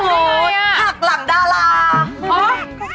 เมื่อกี้ทุกคนอยากก้อนก็พี่ยังจะด่อให้หน่อย